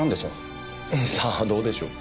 さあどうでしょう。